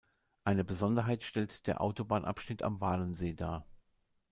Eine Besonderheit stellt der Autobahnabschnitt am Walensee dar.